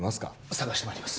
探してまいります